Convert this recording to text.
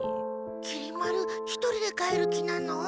きり丸一人で帰る気なの？